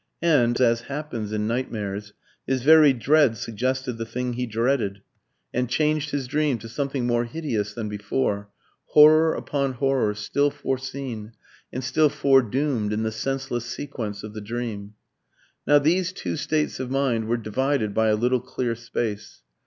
And, as happens in nightmares, his very dread suggested the thing he dreaded, and changed his dream to something more hideous than before horror upon horror, still foreseen, and still foredoomed in the senseless sequence of the dream. Now these two states of mind were divided by a little clear space.